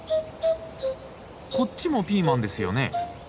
こっちもピーマンですよね？